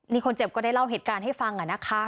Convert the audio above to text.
อ๋อมัวมัวอารวาสเป็นบ่อยไหม